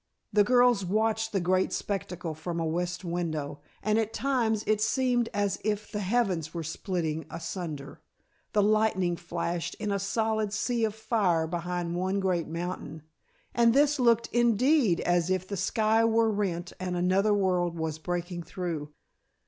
The girls watched the great spectacle from a west window, and at times it seemed as if the heavens were splitting asunder. The lightning flashed in a solid sea of fire behind one great mountain, and this looked indeed as if the sky were rent and another world was breaking through.